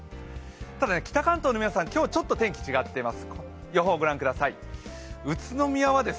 ただ北関東の皆さん、今日ちょっと天気違っています。